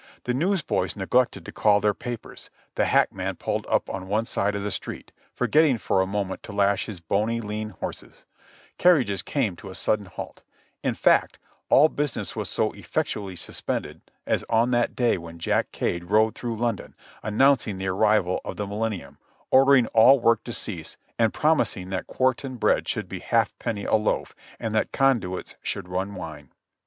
The newsboys neglected to call their papers; the hackman pulled up on one side of the street, forgetting for a moment to lash his bony, lean horses; carriages came to a sudden halt; in fact, all business was as effectually suspended as on that day when Jack Cade rode through London, announcing the arrival of the Millenium, order ing all work to cease and promising that quartern bread should be half penny a loaf, and that conduits should run wine.